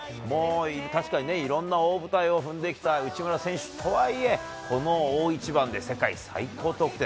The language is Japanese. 確かにいろんな大舞台を踏んできた内村選手とはいえこの大一番で世界最高得点。